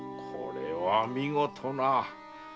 これは見事な。